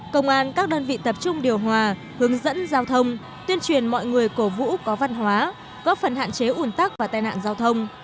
công an các đơn vị tập trung điều hòa hướng dẫn giao thông tuyên truyền mọi người cổ vũ có văn hóa góp phần hạn chế ủn tắc và tai nạn giao thông